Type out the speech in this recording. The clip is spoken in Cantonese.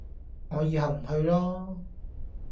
我以後唔去囉